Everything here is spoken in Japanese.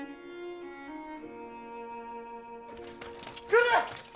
来る！